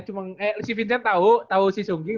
cuman eh si vincent tau tau si sung ging